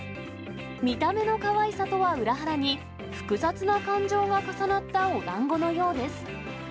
見た目のかわいさとは裏腹に、複雑な感情が重なったおだんごのようです。